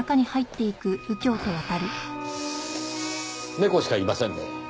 猫しかいませんねぇ。